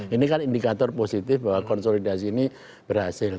ini kan indikator positif bahwa konsolidasi ini berhasil